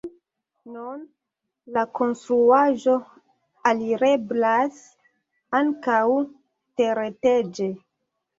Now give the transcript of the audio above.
Nun la konstruaĵo alireblas ankaŭ tereteĝe.